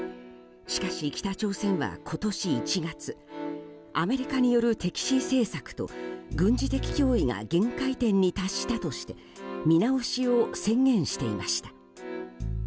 しかし、北朝鮮は今年１月アメリカによる敵視政策と軍事的脅威が限界点に達したとして見直しを宣言していました。